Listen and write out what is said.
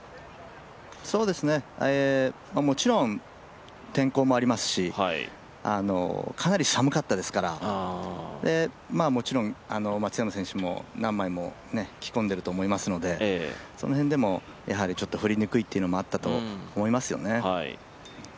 もちろん天候もありますし、かなり寒かったですからもちろん松山選手も何枚も着込んでると思いますのでその辺でも、やはりちょっと振りにくいというのがあったと思いますよね。